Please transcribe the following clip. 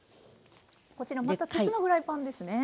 こちらまた鉄のフライパンですね。